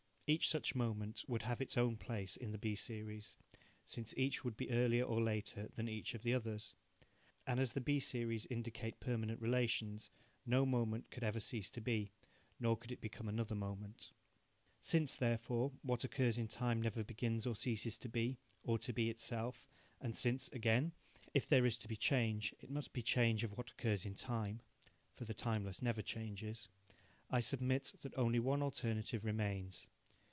Each such moment would have its own place in the B series, since each would be earlier or later than each of the others. And as the B series indicate permanent relations, no moment could ever cease to be, nor could it become another moment. Since, therefore, what occurs in time never begins or ceases to be, or to be itself, and since, again, if there is to be change it must be change of what occurs in time (for the timeless never changes), I submit that only one alternative remains.